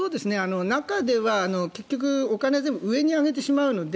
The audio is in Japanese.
中では結局、お金は全部上に上げてしまうので。